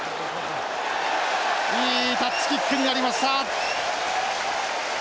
いいタッチキックになりました！